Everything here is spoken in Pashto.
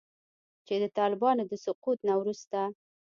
چې د طالبانو د سقوط نه وروسته